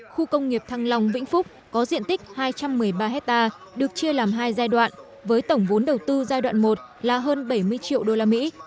khu công nghiệp thăng long vĩnh phúc có diện tích hai trăm một mươi ba hectare được chia làm hai giai đoạn với tổng vốn đầu tư giai đoạn một là hơn bảy mươi triệu đô la mỹ